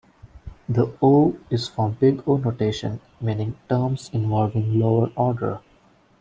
The "O" is for big O notation, meaning "terms involving lower order".